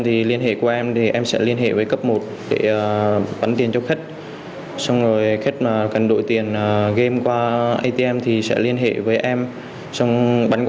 trú tại xã nghi văn